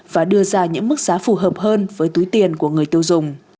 và đưa ra những mức giá phù hợp hơn với túi tiền của người tiêu dùng